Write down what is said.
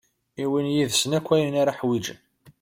Iwin yid-sen ayen akk ara iḥwiǧen.